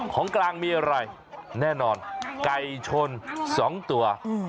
ของกลางมีอะไรแน่นอนไก่ชน๒ตัว